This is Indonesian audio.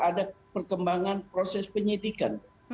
ada perkembangan proses penyidikan